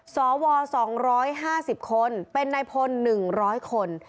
สว๒๕๐คนเป็นนายพล๑๐๐คน